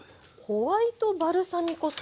ホワイトバルサミコ酢。